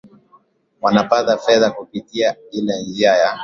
wanapata fedha kupitia ile njia ya